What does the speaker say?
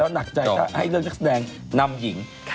แล้วให้เรื่องเมื่อกี้น้ำหญิง